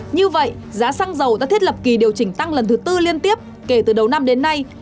như vậy giá xăng dầu đã thiết lập kỳ điều chỉnh tăng lần thứ tư liên tiếp kể từ đầu năm đến nay